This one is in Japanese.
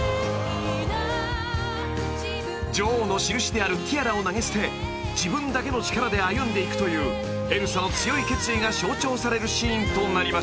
［女王の印であるティアラを投げ捨て自分だけの力で歩んでいくというエルサの強い決意が象徴されるシーンとなりました］